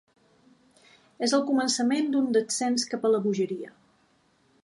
És el començament d'un descens cap a la bogeria.